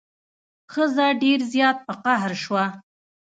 ښځه ډیر زیات په قهر شوه.